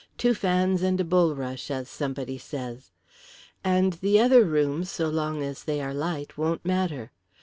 Two fans and a bulrush as somebody says. And the other rooms, so long as they are light, won't matter.